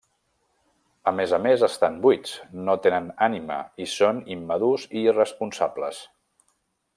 A més a més estan buits, no tenen ànima i són immadurs i irresponsables.